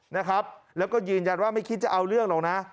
นะครับแล้วก็ยืนยันว่าไม่คิดจะเอาเรื่องหรอกนะ